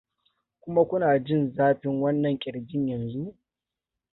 kuma kuna jin zafin wannan kirji yanzu?